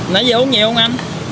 nói gì uống nhiều không anh